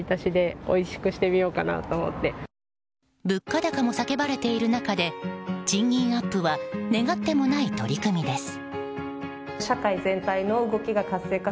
物価高も叫ばれている中で賃金アップは願ってもない取り組みです。